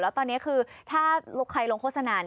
แล้วตอนนี้คือถ้าใครลงโฆษณา